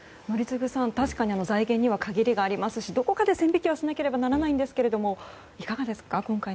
宜嗣さん、確かに財源には限りがありますしどこかで線引きしないといけないんですがいかがですか。